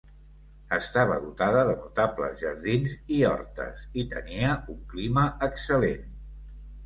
Estava dotada de notables jardins i hortes i tenia un clima excel·lent.